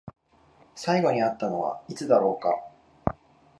最後に会ったのはいつだろうか？